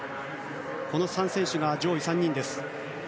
この３選手が上位３人です。